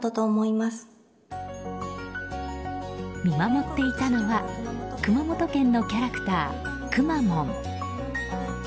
見守っていたのは熊本県のキャラクター、くまモン。